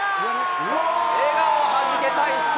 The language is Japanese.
笑顔はじけた石川。